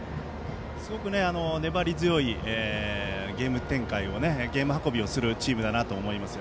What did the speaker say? すごく粘り強いゲーム運びをするチームだなと思います。